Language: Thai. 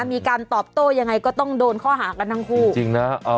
มีการตอบโต้ยังไงก็ต้องโดนข้อหากันทั้งคู่จริงนะ